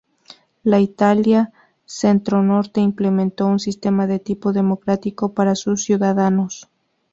La Italia centro-norte implementó un sistema de tipo democrático para sus ciudadanos.